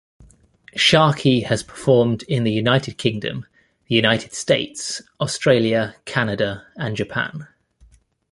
Sharkey has performed in the United Kingdom, the United States, Australia, Canada, and Japan.